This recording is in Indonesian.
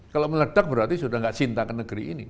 kalau meledak berarti sudah tidak cinta ke negeri ini